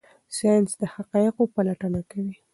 ساینس د حقایقو پلټنه کوي.